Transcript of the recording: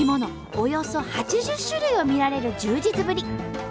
およそ８０種類を見られる充実ぶり。